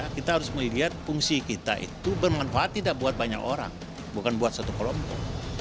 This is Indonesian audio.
kita harus melihat fungsi kita itu bermanfaat tidak buat banyak orang bukan buat satu kelompok